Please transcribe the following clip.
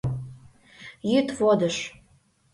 — Йӱд водыж!